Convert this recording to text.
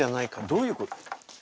どういうこと？